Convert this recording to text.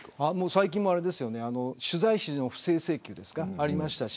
最近も取材費の不正請求ですかありましたし。